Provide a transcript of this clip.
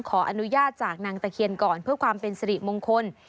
ขออนุญาตจากนางตะเคียนก่อนเพื่อความเป็นสิริมงคล